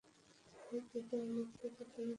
ভাইয়ের হৃদয়ে নিশ্চয়ই কিছু না কিছু ফুটেছে।